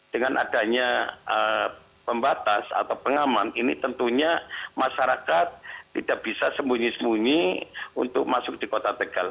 dengan adanya pembatas atau pengaman ini tentunya masyarakat tidak bisa sembunyi sembunyi untuk masuk di kota tegal